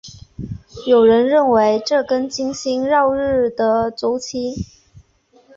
有人认为这跟金星绕日的周期。